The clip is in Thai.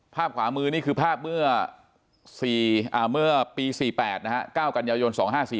ภาพขวามือนี่คือภาพเมื่อปี๔๘ก้ากันยายน๒๕๔๘